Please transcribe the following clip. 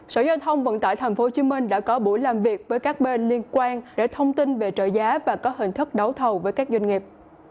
sở giao thông vận tải tp hcm đã có buổi làm việc với các bên liên quan để thông tin về trợ giá và có hình thức đấu thầu với các doanh nghiệp